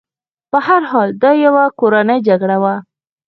په هر حال دا یوه کورنۍ جګړه وه.